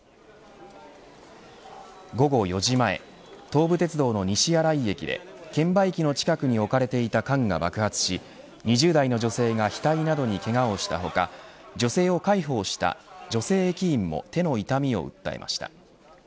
午後４時前東武鉄道の西新井駅で券売機の近くに置かれていた缶が爆発し２０代の女性が額などにけがをした他女性を介抱した女性駅員も手の痛みを訴えました。